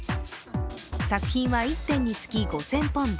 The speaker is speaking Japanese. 作品は１点につき５０００ポンド。